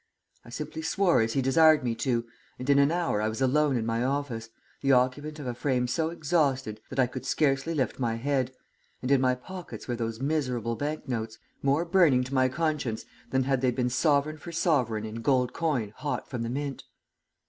I simply swore as he desired me to, and in an hour I was alone in my office, the occupant of a frame so exhausted that I could scarcely lift my head, and in my pockets were those miserable bank notes, more burning to my conscience than had they been sovereign for sovereign in gold coin hot from the mint."